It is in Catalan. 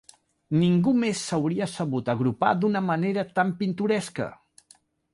Ningú més s'hauria sabut agrupar d'una manera tan pintoresca